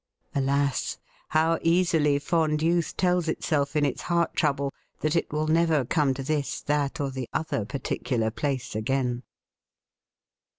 Alas ! how easily fond youth tells itself in its heart trouble that it will never come to this, that, or the other particular place again